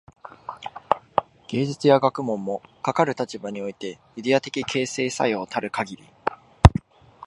芸術や学問も、かかる立場においてイデヤ的形成作用たるかぎり、